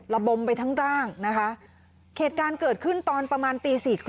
ระบมไปทั้งร่างนะคะเหตุการณ์เกิดขึ้นตอนประมาณตีสี่คร